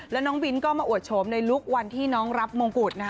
แล้วน้องบินก็มาอวดโฉมในลุควันที่น้องรับมงกุฎนะคะ